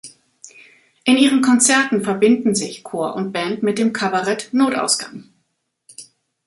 In ihren Konzerten verbinden sich Chor und Band mit dem Kabarett "Notausgang".